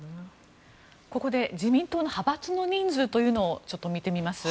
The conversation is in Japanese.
ここで自民党の派閥の人数というのをちょっと見てみます。